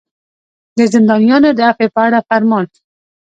د زندانیانو د عفوې په اړه فرمان.